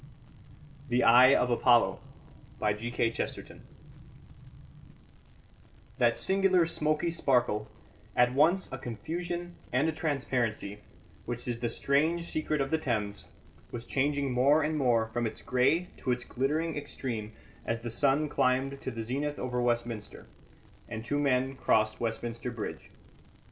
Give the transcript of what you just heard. The Eye of Apollo That singular smoky sparkle, at once a confusion and a transparency, which is the strange secret of the Thames, was changing more and more from its grey to its glittering extreme as the sun climbed to the zenith over Westminster, and two men crossed Westminster Bridge.